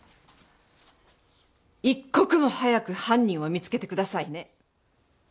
一刻も早く犯人を見つけてくださいね。